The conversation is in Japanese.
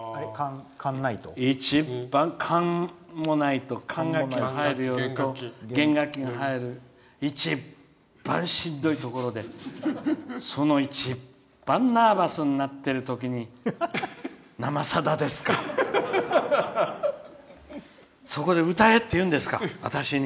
一番、弦楽器が入る一番しんどいところでその、一番ナーバスになってるときに「生さだ」ですか。そこで歌えっていうんですか私に。